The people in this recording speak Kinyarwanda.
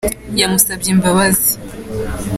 yamusabye imbabazi.